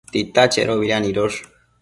Tita chedobida nidosh?